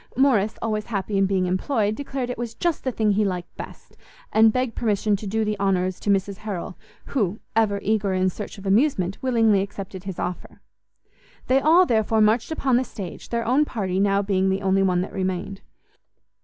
_ Morrice, always happy in being employed, declared it was just the thing he liked best, and begged permission to do the honours to Mrs Harrel, who, ever eager in the search of amusement, willingly accepted his offer. They all, therefore, marched upon the stage, their own party now being the only one that remained.